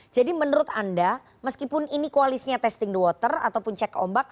jadi menurut anda meskipun ini koalisnya testing the water ataupun cek ombak